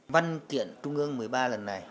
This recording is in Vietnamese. văn tiện trung ương một mươi ba lần này